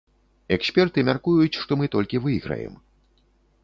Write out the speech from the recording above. Эксперты мяркуюць, што мы толькі выйграем.